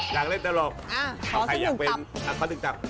อยากเล่นตลกใครอยากเป็นเศษผี